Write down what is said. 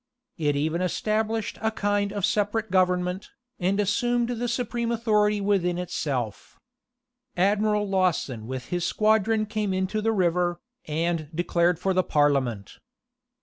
It even established a kind of separate government, and assumed the supreme authority within itself. Admiral Lawson with his squadron came into the river, and declared for the parliament.